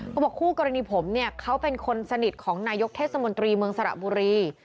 บอกคู่กรณีผมเนี่ยเขาเป็นคนสนิทของนายกเทศมนตรีเมืองสระบุรี